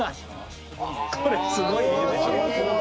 これすごい絵でしょ。